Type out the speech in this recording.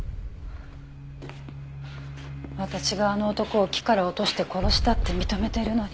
私があの男を木から落として殺したって認めてるのに。